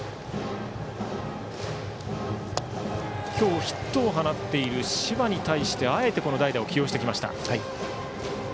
今日ヒットを放っている柴に対してあえて代打を起用してきました。